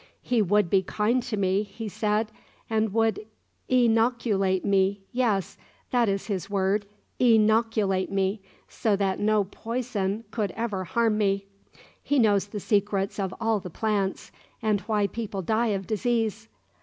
He would be kind to me, he said, and would een oculate me; yes, that is his word een oculate me, so that no poison could ever harm me. He knows the secrets of all the plants, and why people die of disease.